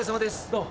どう？